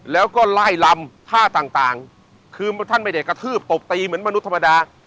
แล้วก็ไล่ลำท่าต่างคือท่านไม่ได้กระทืบตบตีเหมือนมนุษย์ธรรมดา